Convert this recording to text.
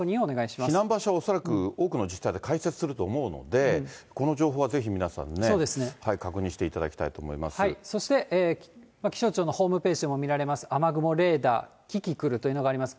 避難場所は恐らく多くの自治体で開設すると思うので、この情報はぜひ皆さんね、そして、気象庁のホームページでも見られます、雨雲レーダー、キキクルというのがあります。